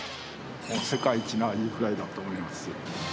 世界一のアジフライだと思います。